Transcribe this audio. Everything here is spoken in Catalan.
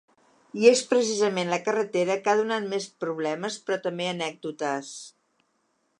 I és precisament la carretera la que ha donat més problemes, però també anècdotes.